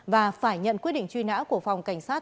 và phải nhận quyết định truy nã của phòng cảnh sát